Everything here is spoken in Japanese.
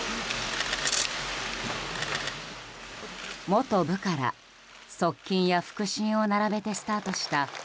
元部下ら側近や腹心を並べてスタートした